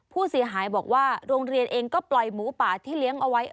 ผู้เสียหายบอกว่าโรงเรียนเองก็ปล่อยหมูป่าที่เลี้ยงเอาไว้